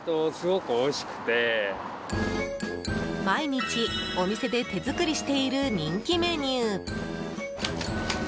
毎日、お店で手作りしている人気メニュー。